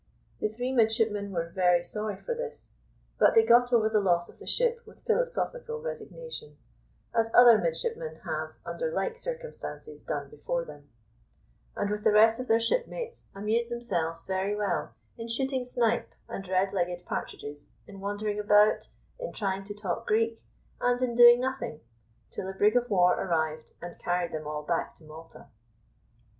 The three midshipmen were very sorry for this, but they got over the loss of the ship with philosophical resignation, as other midshipmen have under like circumstances done before them; and with the rest of their shipmates amused themselves very well in shooting snipe and red legged partridges, in wandering about, in trying to talk Greek, and in doing nothing, till a brig of war arrived and carried them all back to Malta.